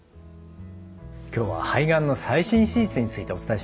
今日は肺がんの最新手術についてお伝えしました。